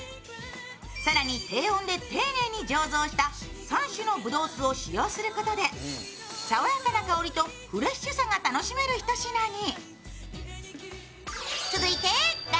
更に低温で丁寧に醸造した３種のぶどう酢を使用することで爽やかな香りとフレッシュさが楽しめるひと品に。